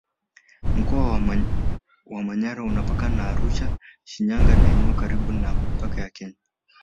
Mkoa wa Manyara unapakana na Arusha Shinyanga na eneo karibu na mipaka ya Kenya